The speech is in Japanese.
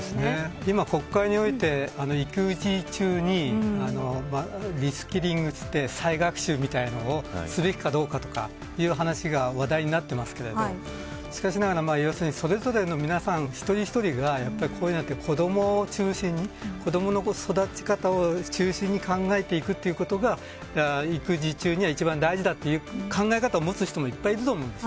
今、国会において育児中にリスキリングといって再学習みたいなことをすべきかどうかという話が話題になっていますけれどしかしながらそれぞれの皆さん一人一人がこうやって、子どもを中心に子どもの育ち方を中心に考えていくことが育児中には一番大事だという考え方を持つ人もいっぱい、います。